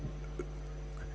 yang penting aku